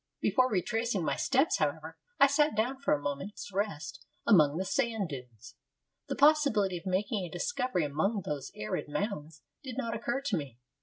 Before retracing my steps, however, I sat down for a moment's rest among the sand dunes. The possibility of making a discovery among those arid mounds did not occur to me.